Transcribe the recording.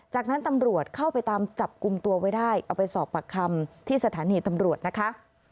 จากนั้นตำรวจเข้าไปตามจับกลุ่มตัวไว้ได้เอาไปสอบปากคำที่สถานีตำรวจนะคะ